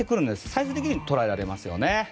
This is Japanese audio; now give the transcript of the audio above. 最終的に捉えられますよね。